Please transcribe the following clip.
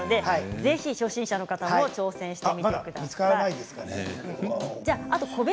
ぜひ初心者の方も挑戦してみてください。